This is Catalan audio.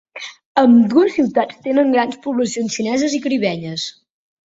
Ambdues ciutats tenen grans poblacions xineses i caribenyes.